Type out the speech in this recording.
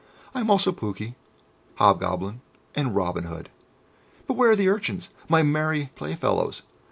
"I am also Pouke, Hobgoblin, and Robin Hood. But where are the Urchins, my merry play fellows?